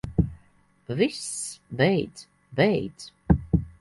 Viss, beidz. Beidz.